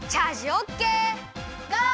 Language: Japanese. ゴー！